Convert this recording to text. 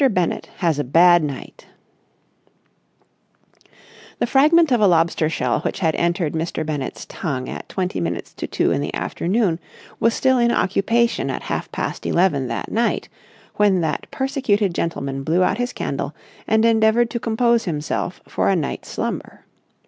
BENNETT HAS A BAD NIGHT The fragment of a lobster shell which had entered Mr. Bennett's tongue at twenty minutes to two in the afternoon was still in occupation at half past eleven that night, when that persecuted gentleman blew out his candle and endeavoured to compose himself for a night's slumber.